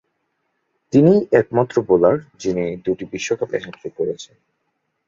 তিনিই একমাত্র বোলার যিনি দু'টি বিশ্বকাপে হ্যাট্রিক করেছেন।